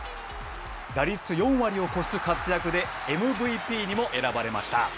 打率４割を超す活躍でＭＶＰにも選ばれました。